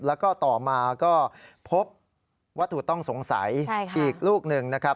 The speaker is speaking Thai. แล้วก็ต่อมาก็พบวัตถุต้องสงสัยอีกลูกหนึ่งนะครับ